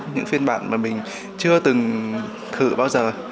những phiên bản mà mình chưa từng thử bao giờ